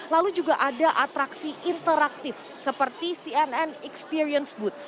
lalu juga ada atraksi interaktif seperti cnn experience booth